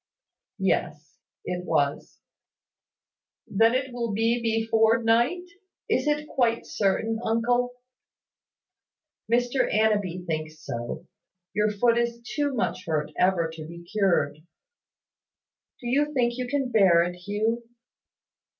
"Yes, it was." "Then it will be before night. Is it quite certain, uncle?" "Mr Annanby thinks so. Your foot is too much hurt ever to be cured. Do you think you can bear it, Hugh?"